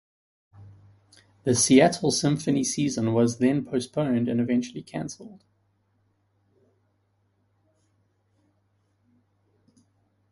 The Seattle Symphony season was then postponed and eventually cancelled.